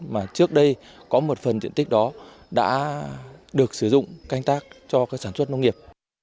mà trước đây có một phần diện tích đó đã được sử dụng canh tác cho sản xuất nông nghiệp